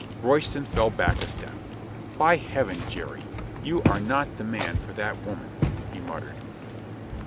Royston fell back a step. "By Heaven, Jerry, you are not the man for that woman !" he muttered.